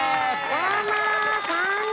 どうも！